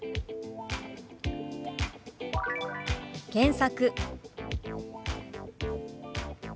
「検索」。